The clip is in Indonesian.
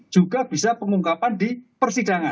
juga bisa pengungkapan di persidangan